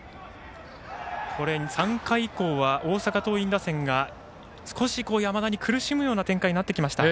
３回以降は大阪桐蔭打線が少し山田に苦しむ展開になってきました。